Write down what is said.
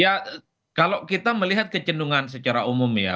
ya kalau kita melihat kecendungan secara umum ya